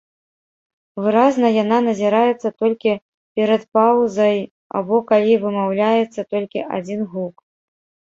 Выразна яна назіраецца толькі перад паўзай або калі вымаўляецца толькі адзін гук.